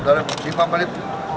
dalam sifat melit